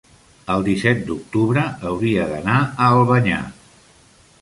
el disset d'octubre hauria d'anar a Albanyà.